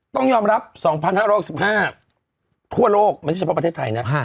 ต้องยอมรับ๒๕๖๕ทั่วโลกไม่ใช่เฉพาะประเทศไทยนะ